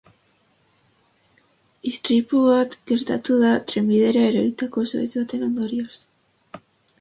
Istripua bat gertatu da, trenbidera eroritako zuhaitz baten ondorioz.